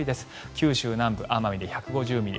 九州南部・奄美で１５０ミリ